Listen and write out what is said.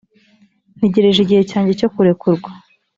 ntegereje igihe cyanjye cyo kurekurwa